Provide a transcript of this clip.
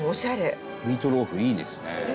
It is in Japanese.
伊達：ミートローフいいですね。